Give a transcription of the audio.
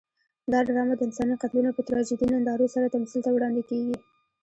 دا ډرامه د انساني قتلونو په تراژیدي نندارو سره تمثیل ته وړاندې کېږي.